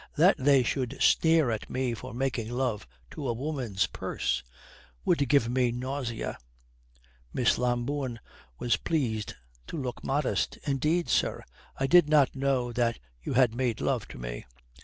That they should sneer at me for making love to a woman's purse would give me a nausea." Miss Lambourne was pleased to look modest. "Indeed, sir, I did not know that you had made love to me."